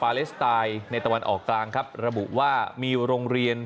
ภาพที่คุณผู้ชมเห็นอยู่นี้ครับเป็นเหตุการณ์ที่เกิดขึ้นทางประธานภายในของอิสราเอลขอภายในของปาเลสไตล์นะครับ